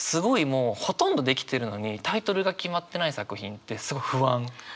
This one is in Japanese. もうほとんど出来てるのにタイトルが決まってない作品ってすごい不安。